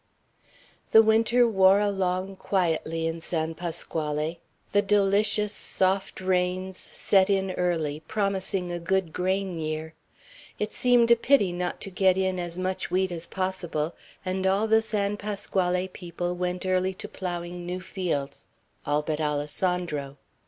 The winter wore along quietly in San Pasquale. The delicious soft rains set in early, promising a good grain year. It seemed a pity not to get in as much wheat as possible; and all the San Pasquale people went early to ploughing new fields, all but Alessandro.